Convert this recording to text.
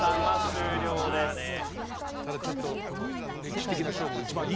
ただちょっとこの。